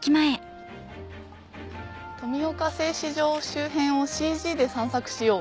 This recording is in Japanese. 「富岡製糸場周辺をＣＧで散策しよう」。